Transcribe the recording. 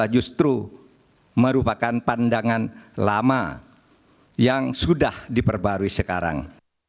justru merupakan pandangan lama yang sudah diperbarui sekarang